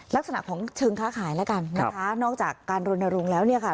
ลักษณะของเชิงค้าขายแล้วกันนะคะนอกจากการรณรงค์แล้วเนี่ยค่ะ